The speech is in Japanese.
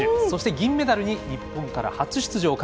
そして、銀メダルに日本から初出場